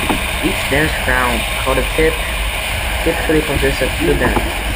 Each dance round, called a tip, typically consists of two dances.